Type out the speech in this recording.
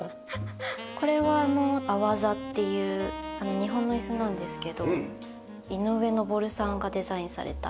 これはアワザっていう日本の椅子なんですけど井上昇さんがデザインされた椅子。